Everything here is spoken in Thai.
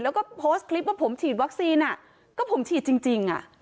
แล้วก็โพสต์คลิปว่าผมฉีดวัคซีนก็ผมฉีดจริง